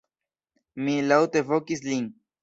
Mi laŭte vokis lin.